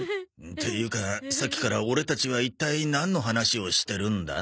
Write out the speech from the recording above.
っていうかさっきからオレたちは一体なんの話をしてるんだ？